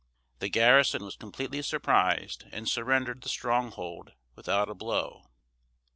The garrison was completely surprised and surrendered the stronghold without a blow.